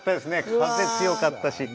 風が強かったし。